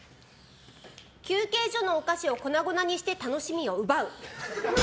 休憩所のお菓子を粉々にして楽しみを奪う！